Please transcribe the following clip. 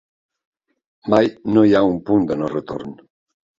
Mai no hi ha un punt de no-retorn.